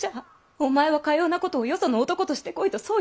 お前はかようなことをよその男としてこいとそう言うのか！